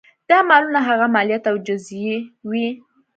دا مالونه هغه مالیات او جزیې وې.